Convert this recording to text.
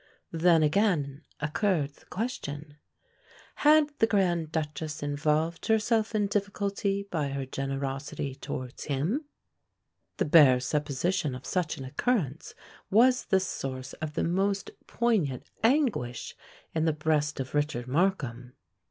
Then again occurred the question, had the Grand Duchess involved herself in difficulty by her generosity towards him? The bare supposition of such an occurrence was the source of the most poignant anguish in the breast of Richard Markham.